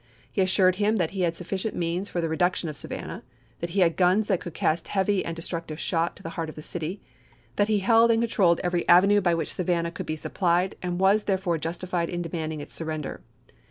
He assured him that he had sufficient means for the reduction of Savannah, that he had guns that could cast heavy and de structive shot to the heart of the city ; that he held and controlled every avenue by which Savannah could be supplied, and was, therefore, justified in demanding its surrender.